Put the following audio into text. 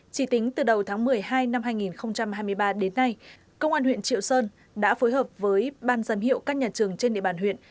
chỉ tính từ đầu tháng một mươi hai năm hai nghìn hai mươi ba đến nay công an huyện triệu sơn đã phối hợp với ban giám hiệu các nhà trường trên địa bàn huyện